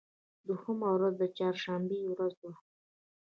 دوهمه ورځ د چهار شنبې ورځ وه.